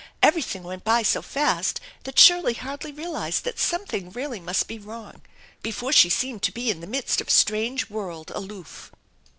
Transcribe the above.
Everything went by so fast that Shirley hardly realized that something really must be wrong before she seemed to be in the midst of a strange world aloof.